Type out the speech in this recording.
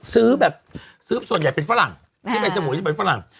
ซื้อแบบซื้อส่วนใหญ่เป็นฝรั่งที่ไปสมุยที่เป็นฝรั่ง